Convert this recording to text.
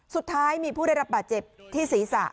สุดท้ายมีผู้ได้รับบาดเจ็บที่ศีรษะ